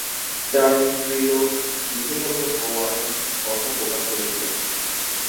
Star স্ত্রীরোগ বিশেষজ্ঞ হওয়ার কথা প্রকাশ করেছিলেন।